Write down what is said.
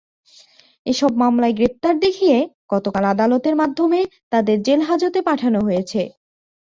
এসব মামলায় গ্রেপ্তার দেখিয়ে গতকাল আদালতের মাধ্যমে তাঁদের জেলহাজতে পাঠানো হয়েছে।